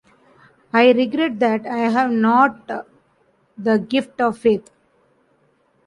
I regret that I have not the gift of faith'.